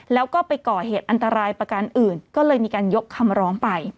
แล้วก็ไปก่อเหตุอันตรายประการอื่นก็เลยมีการยกคำร้องไป